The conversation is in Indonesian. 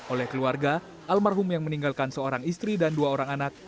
oleh keluarga almarhum yang meninggalkan seorang istri dan dua orang anak